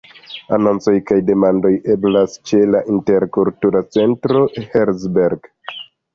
Anoncoj kaj demandoj eblas ĉe la Interkultura Centro Herzberg.